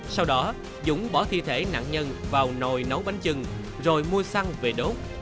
sau đó dũng bỏ thi thể nạn nhân vào nồi nấu bánh chừng rồi mua xăng về đốt